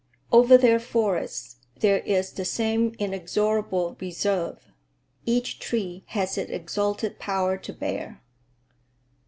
Over their forests there is the same inexorable reserve. Each tree has its exalted power to bear.